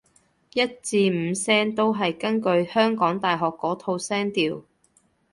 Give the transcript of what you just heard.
一至五聲都係根據香港大學嗰套聲調